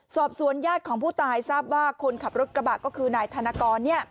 สอบสวนญาติของผู้ตายทราบว่าคนขับรถกระบะก็คือนายธนกร